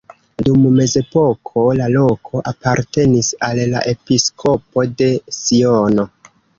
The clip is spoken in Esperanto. Dum mezepoko la loko apartenis al la episkopo de Siono.